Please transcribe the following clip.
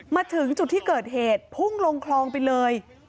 มาถึงจุดที่เกิดเหตุพุ่งลงคลองไปเลย